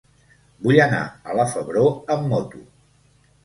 Vull anar a la Febró amb moto.